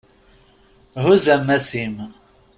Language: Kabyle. Huzz ammas-im.